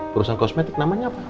perusahaan kosmetik namanya apa